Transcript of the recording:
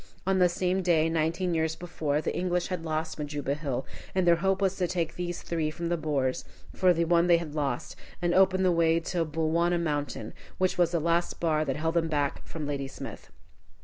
On the same day, nineteen years before, the English had lost Majuba Hill, and their hope was to take these three from the Boers for the one they had lost, and open the way to Bulwana Mountain, which was the last bar that held them back from Ladysmith.